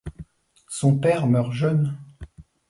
Son père meurt jeune.